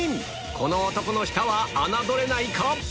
この男の舌は侮れないか？